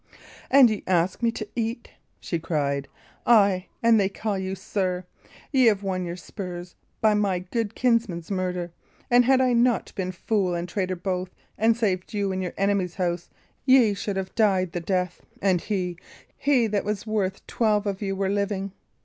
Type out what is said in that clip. "And ye ask me to eat!" she cried. "Ay, and they call you 'sir!' Y' have won your spurs by my good kinsman's murder. And had I not been fool and traitor both, and saved you in your enemy's house, ye should have died the death, and he he that was worth twelve of you were living."